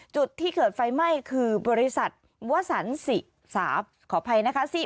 จุดที่เกิดไฟไหม้คือบริษัทวสันสิสาขออภัยนะคะ